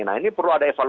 nah ini perlu ada evaluasi